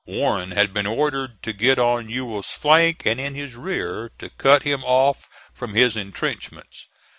Warren had been ordered to get on Ewell's flank and in his rear, to cut him off from his intrenchments.